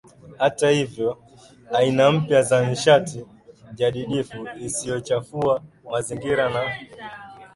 Hata hivyo aina mpya za nishati jadidifu isiyochafua mazingira na